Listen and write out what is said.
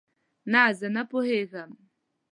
نه، زه نه پوهیږم